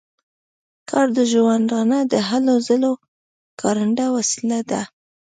کار د ژوندانه د هلو ځلو کارنده وسیله ده.